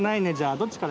どっちから？